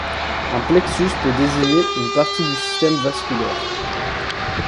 Un plexus peut désigner une partie du système vasculaire.